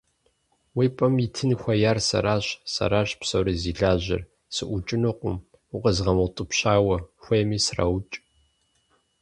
Уи пӀэм итын хуеяр сэращ, сэращ псори зи лажьэр, сыӀукӀынукъым укъезмыгъэутӀыпщауэ, хуейми сраукӀ!